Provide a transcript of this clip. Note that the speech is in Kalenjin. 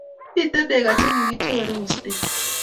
Miten neko che kokichore osent